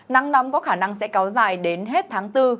nắng nóng có khả năng sẽ kéo dài đến hết tháng bốn